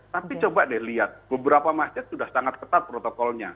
tapi coba deh lihat beberapa masjid sudah sangat ketat protokolnya